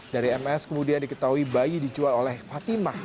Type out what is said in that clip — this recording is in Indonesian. dari ms kemudian diketahui bayi dijual oleh fatimah